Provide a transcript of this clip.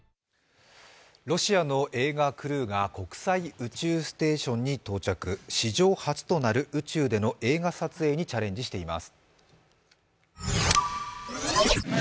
ロシアの映画クルーが国際宇宙ステーションに到着、史上初となる宇宙での映画撮影にチャレンジしています。